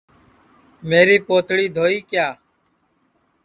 میری پوتڑی دھوئی کیا